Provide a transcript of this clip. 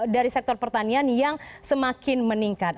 dari sektor pertanian yang semakin meningkat